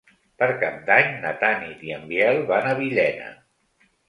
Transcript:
Per Cap d'Any na Tanit i en Biel van a Villena.